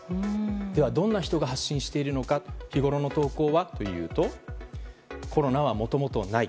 ではどんな人が発信しているのか日ごろの投稿はというとコロナはもともとない。